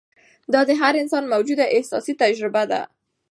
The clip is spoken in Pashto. دا د هر انساني موجود اساسي تجربه ده.